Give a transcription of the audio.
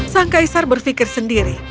sang kaisar berfikir sendiri